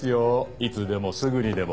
いつでもすぐにでも。